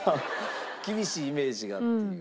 厳しいイメージがっていう事で。